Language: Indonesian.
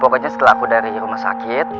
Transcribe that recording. pokoknya setelah aku dari rumah sakit